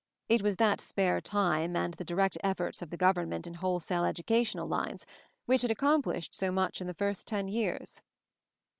It was that spare time, and the direct efforts of the govern ment in wholesale educational lines, which had accomplished so much in the first ten years.